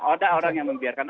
ada orang yang membiarkan